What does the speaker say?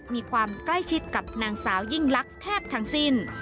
มีความใกล้ชิดกับนางสาวยิ่งลักษณ์แทบทั้งสิ้น